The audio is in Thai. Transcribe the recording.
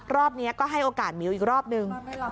รอบนี้ก็ให้โอกาสหมิวอีกรอบนึง